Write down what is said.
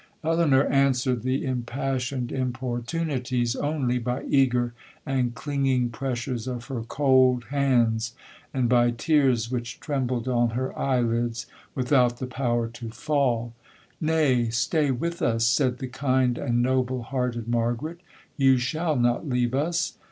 Elinor answered the impassioned importunities, only by eager and clinging pressures of her cold hands, and by tears which trembled on her eyelids, without the power to fall.—'Nay, stay with us,' said the kind and noble hearted Margaret, 'you shall not leave us!'